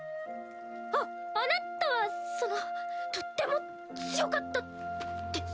ああなたはそのとっても強かったです。